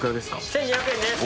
・１２００円です！